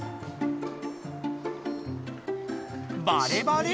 バレバレ？